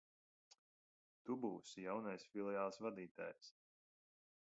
Tu būsi jaunais filiāles vadītājs.